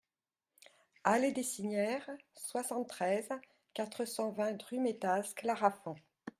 Allée des Signères, soixante-treize, quatre cent vingt Drumettaz-Clarafond